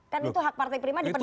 kan itu hak partai prima dipenu